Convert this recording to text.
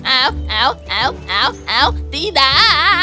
au au au au au tidak